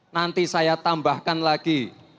nanti saya tambahkan lagi